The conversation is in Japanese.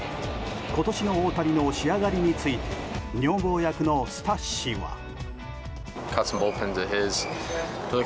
今年の大谷の仕上がりについて女房役のスタッシは。